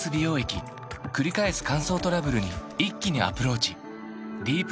くり返す乾燥トラブルに一気にアプローチ